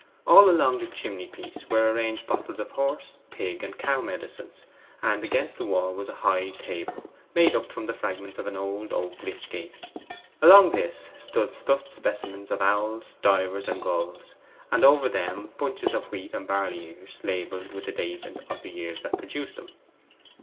All along the chimneypiece were ranged bottles of horse, pig, and cow medicines, and against the wall was a high table, made up of the fragments of an old oak Iychgate. Upon this stood stuffed specimens of owls, divers, and gulls, and over them bunches of wheat and barley ears, labelled with the date of the year that produced them.